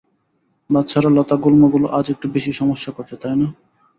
বাচ্চারা, লতাগুল্মগুলো আজ একটু বেশি সমস্যা করছে, তাই না?